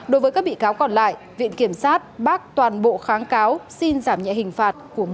đối với các bị cáo còn lại viện kiểm sát bác toàn bộ kháng cáo xin giảm nhẹ hình phạt của một mươi bị cáo còn lại